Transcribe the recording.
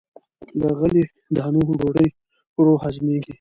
له غلې- دانو ډوډۍ ورو هضمېږي.